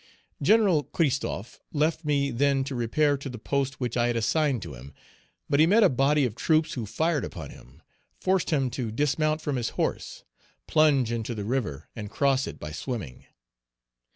Gen. Christophe left me then to repair to the post which I had assigned to him; but he met a body of troops who fired upon him, forced him to dismount from his horse, plunge into the river, and cross it by swimming.